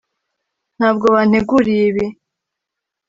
ntabwo wanteguriye ibi.